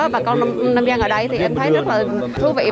bà con nam giang ở đây thì em thấy rất là thú vị